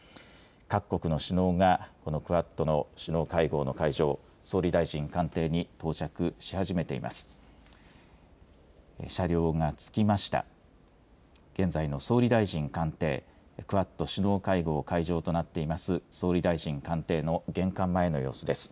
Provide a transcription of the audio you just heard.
各国の首脳がこのクアッドの首脳会合の会場、総理大臣官邸に到着し始めています。